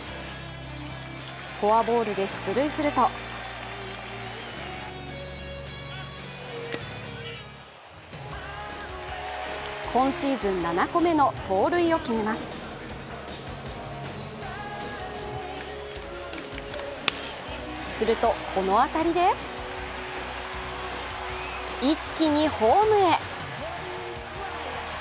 フォアボールで出塁すると今シーズン７個目の盗塁を決めますすると、この当たりで一気にホームへ。